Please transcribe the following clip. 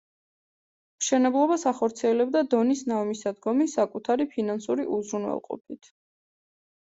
მშენებლობას ახორციელებდა „დონის ნავმისადგომი“ საკუთარი ფინანსური უზრუნველყოფით.